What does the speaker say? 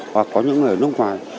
hoặc có những người ở nước ngoài